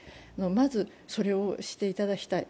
まずそれをしていただきたい。